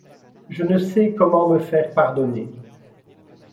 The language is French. Je ne sais comment me faire pardonner…